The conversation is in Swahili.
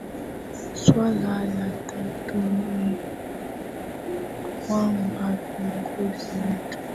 swala la tatu ni kwamba viongozi wetu